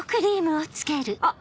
あっ！